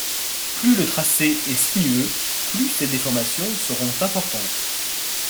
Plus le tracé est sinueux, plus ces déformations seront importantes.